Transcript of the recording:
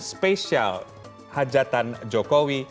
spesial hajatan jokowi